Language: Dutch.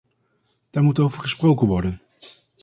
Daar moet over gesproken worden!